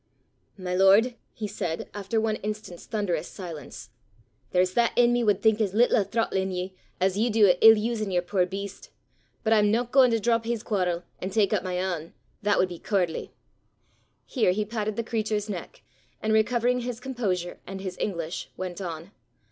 "My lord," he said, after one instant's thunderous silence, "there's that i' me wad think as little o' throttlin' ye as ye du o' ill usin' yer puir beast. But I'm no gaein' to drop his quarrel, an' tak up my ain: that wad be cooardly." Here he patted the creature's neck, and recovering his composure and his English, went on.